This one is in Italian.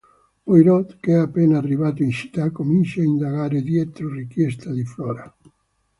Poirot, che è appena arrivato in città, comincia a indagare dietro richiesta di Flora.